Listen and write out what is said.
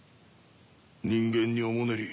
人間におもねり